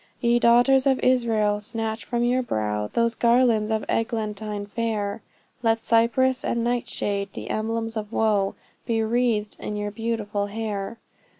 Ye daughters of Israel, snatch from your brow Those garlands of eglantine fair; Let cypress and nightshade, the emblems of woe. Be wreathed in your beautiful hair.